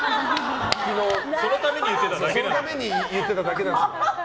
昨日、そのために言ってただけなんです。